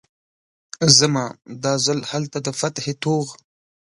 ځمه، دا ځل هلته د فتحې توغ